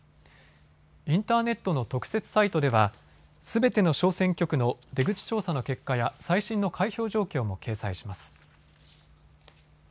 インターネットの特設サイトではすべての小選挙区の出口調査の結果や最新の開票状況も掲載します。